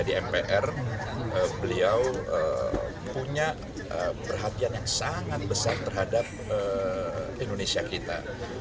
jadi mpr beliau punya perhatian yang sangat besar terhadap indonesia kita